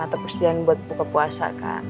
atau persediaan buat buka puasa kan